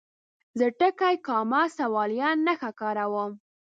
زه ټکي، کامه، سوالیه نښه کاروم.